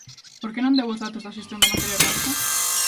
¿Por que non deu os datos da xestión da materia orgánica?